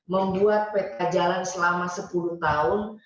membuat peta jalan selama sepuluh tahun